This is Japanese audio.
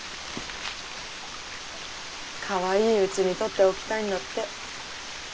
かわいいうちに撮っておきたいんだって。